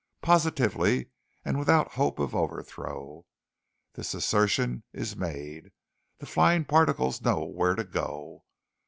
Positively and without hope of overthrow, this assertion is made the flying particles know where to go.